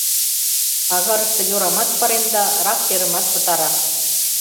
— Пагарыште йорамат паремда, рак черымат пытара.